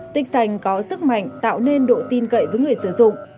tích sành có sức mạnh tạo nên độ tin cậy với người sử dụng